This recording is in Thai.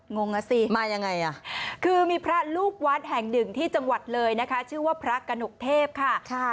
งงอ่ะสิมายังไงอ่ะคือมีพระลูกวัดแห่งหนึ่งที่จังหวัดเลยนะคะชื่อว่าพระกระหนกเทพค่ะ